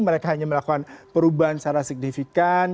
mereka hanya melakukan perubahan secara signifikan